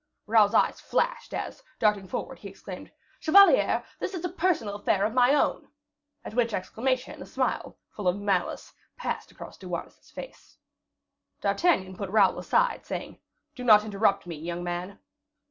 Raoul's eyes flashed, as, darting forward, he exclaimed, "Chevalier, this is a personal affair of my own!" At which exclamation, a smile, full of malice, passed across De Wardes's face. D'Artagnan put Raoul aside, saying, "Do not interrupt me, young man."